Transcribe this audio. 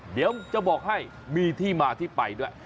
เดี๋ยวจะบอกให้มีที่มาที่ไปด้วย